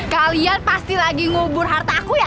kalian pasti lagi ngubur harta aku ya